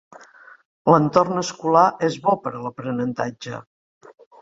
L'entorn escolar és bo per a l'aprenentatge.